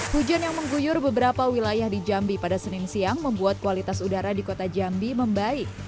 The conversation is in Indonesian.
hujan yang mengguyur beberapa wilayah di jambi pada senin siang membuat kualitas udara di kota jambi membaik